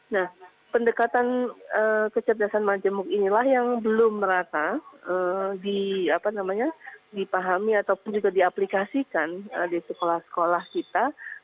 nah pendekatan kecerdasan majemuk inilah yang belum merata dipahami ataupun juga diaplikasikan di sekolah sekolah kita